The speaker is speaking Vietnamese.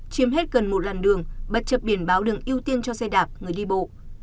chiếm hết gần một lần đường bất chập biển báo đường ưu tiên cho xe đạp người đi bộ